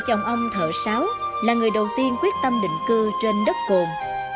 chồng ông thợ sáu là người đầu tiên quyết tâm định cư trên đất cồn